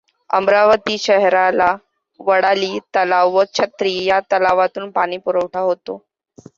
अमरावती शहराला वडाळी तलाव व छत्री या तलावांतून पाणी पुरवठा होतो.